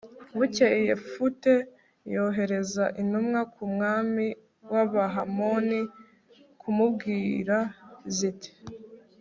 bukeye, yefute yohereza intumwa ku mwami w'abahamoni kumubwira ziti